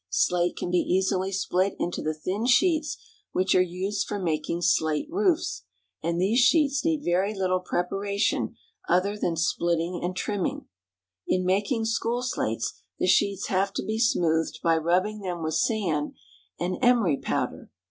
Slate can be easily split into the thin sheets which are used for making slate roofs, and these sheets need very Httle preparation other than splitting and trimmmg. In making school slates the sheets have to be smoothed by rub bing them with sand and emery powder.